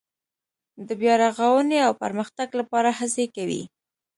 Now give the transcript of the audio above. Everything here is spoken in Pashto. د بیا رغاونې او پرمختګ لپاره هڅې کوي.